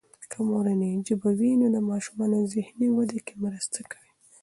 که مورنۍ ژبه وي، نو د ماشومانو ذهني ودې کې مرسته کوي.